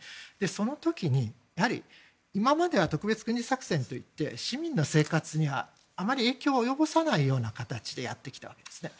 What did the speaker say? その時に、やはり今までは特別軍事作戦といって市民の生活にはあまり影響を及ぼさないような形でやってきたわけですね。